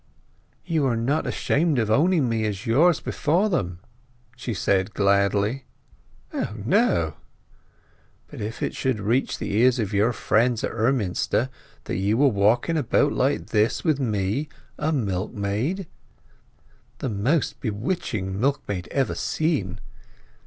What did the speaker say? "You are not ashamed of owning me as yours before them!" she said gladly. "O no!" "But if it should reach the ears of your friends at Emminster that you are walking about like this with me, a milkmaid—" "The most bewitching milkmaid ever seen."